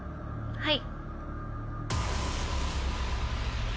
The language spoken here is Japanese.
はい。